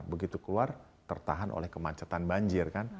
begitu keluar tertahan oleh kemacetan banjir kan